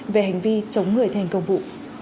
về hành vi chống người thành công vụ